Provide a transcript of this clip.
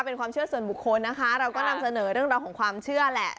เป็นความเชื่อส่วนบุคคลนะคะเราก็นำเสนอเรื่องราวของความเชื่อแหละ